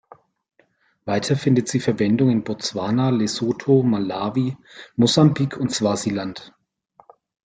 Weiter findet sie Verwendung in Botswana, Lesotho, Malawi, Mosambik und Swasiland.